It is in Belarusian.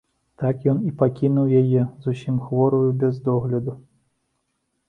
Так ён і пакінуў яе зусім хворую, без догляду.